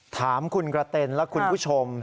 ถามคุณกระเต็นและคุณผู้ชม